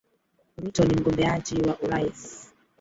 Ruto ni mgombeaji wa urais